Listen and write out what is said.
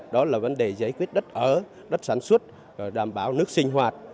đó là vấn đề giải quyết đất ở đất sản xuất đảm bảo nước sinh hoạt